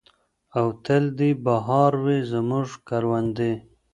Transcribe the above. او تل دې بہار وي زموږ کروندې.